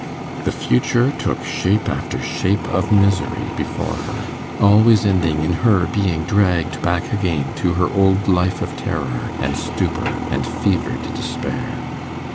The future took shape after shape of misery before her, always ending in her being dragged back again to her old life of terror, and stupor, and fevered despair.